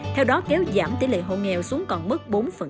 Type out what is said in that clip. theo đó kéo giảm tỷ lệ hộ nghèo xuống còn mức bốn